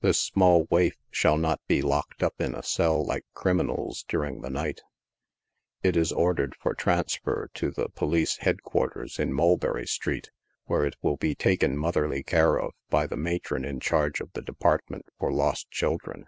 This small waif shall not be locked up in a cell like criminals, during the night ; it is ordered for transfer to the Police Head Quarters, in Mulberry street, where it will be taken motherly care of by the matron in charge of the department for lost children.